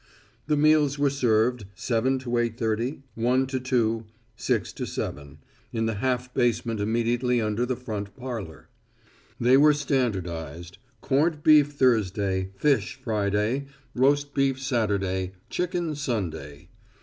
The meals were served, 7 to 8:30, 1 to 2, 6 to 7, in the half basement immediately under the front parlor. They were standardized corned beef Thursday, fish Friday, roast beef Saturday, chicken Sunday.